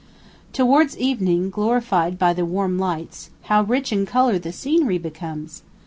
Towards evening, glorified by the warm lights, how rich in colour the scenery becomes!